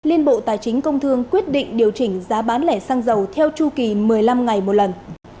liên bộ tài chính công thương quyết định điều chỉnh giá bán lẻ xăng dầu theo chu kỳ một mươi năm ngày một lần